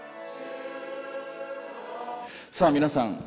さあ皆さん